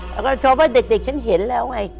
แล้วก็ชาวบ้านเด็กฉันเห็นแล้วไง